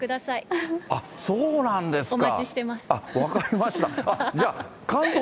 あっ、そうなんですか。